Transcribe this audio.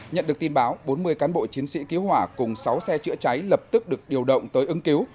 nhận được tin báo bốn mươi cán bộ chiến sĩ cứu hỏa cùng sáu xe chữa cháy lập tức được điều động tới ứng cứu